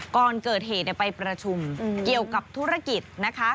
ก่อนเกิดเหตุไปประชุมเกี่ยวกับธุรกิจนะคะ